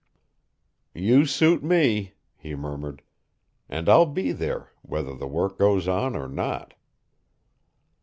"You suit me," he murmured. "And I'll be there whether the work goes on or not."